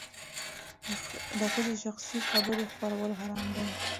د ښځې شخصي خبرې خپرول حرام دي.